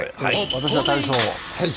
私は体操を。